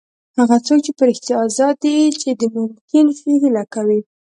هغه څوک په رښتیا ازاد دی چې د ممکن شي هیله کوي.